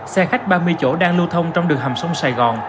xe khách ba mươi chỗ đang lưu thông trong đường hầm sông sài gòn